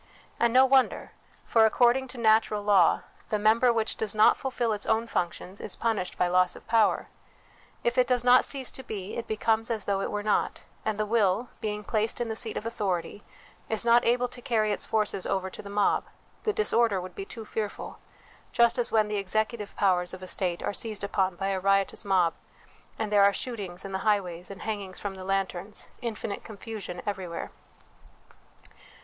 And no wonder, for, according to natural law, the member 320 HOME EDUCATION which does not fulfil its own functions is punished by loss of power ; if it does not cease to be, it becomes as though it were not ; and the will, being placed in the seat of authority, is not able to carry its forces over to the mob the disorder would be too fearful ; just as when the executive powers of a state are seized upon by a riotous mob, and there are shootings in the highways and hangings from the lanterns, infinite confusion everywhere.